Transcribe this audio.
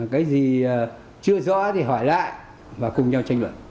cái gì chưa rõ thì hỏi lại và cùng nhau tranh luận